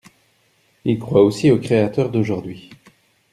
Il croit aussi aux créateurs d’aujourd’hui.